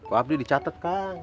wab ini dicatet kang